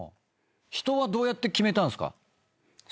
人はどうやって決めたんすか？